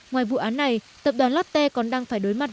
ngoài vụ án này tập đoàn lotte còn đang phải đối mặt